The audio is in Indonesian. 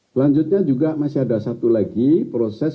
selanjutnya juga masih ada satu lagi proses